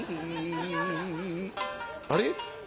「あれ？